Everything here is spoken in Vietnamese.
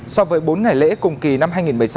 so với bốn ngày lễ cùng kỳ năm hai nghìn một mươi sáu